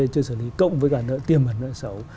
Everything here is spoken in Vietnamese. chưa xử lý cộng với cả tiền bản nợ xấu